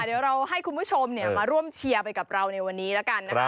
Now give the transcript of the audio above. เดี๋ยวเราให้คุณผู้ชมมาร่วมเชียร์ไปกับเราในวันนี้แล้วกันนะคะ